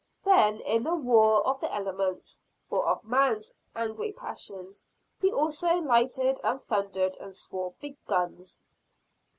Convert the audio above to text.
Then, in the war of the elements, or of man's angry passions, he also lightened and thundered, and swore big guns.